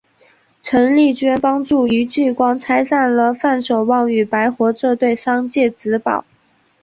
陶莉娟帮助于继光拆散了范守望与白活这对商界孖宝。